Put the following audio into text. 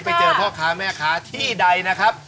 ไปเจอพ่อค้าแม่ค้าที่ใดนะครับ